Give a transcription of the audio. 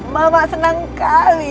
mama senang sekali